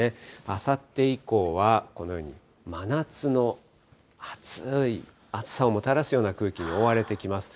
あさって以降は、このように真夏の暑い暑さをもたらすような空気に覆われてきます。